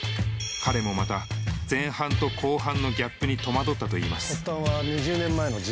彼もまた前半と後半のギャップに戸惑ったといいます